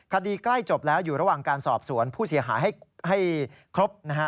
คดีใกล้จบแล้วอยู่ระหว่างการสอบสวนผู้เสียหายให้ครบนะฮะ